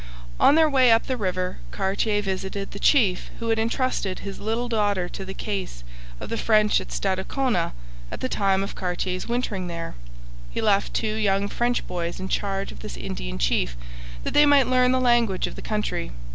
On their way up the river Cartier visited the chief who had entrusted his little daughter to the case of the French at Stadacona at the time of Cartier's wintering there. He left two young French boys in charge of this Indian chief that they might learn the language of the country.